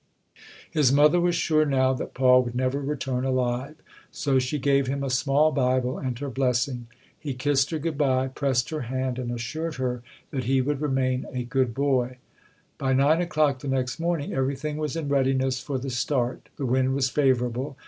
His mother was sure now that Paul would never return alive, so she gave him a small Bible and her blessing. He kissed her good bye, pressed her hand and assured her that he would remain a good boy. By nine o'clock the next morning, everything was in readiness for the start. The wind was favor able.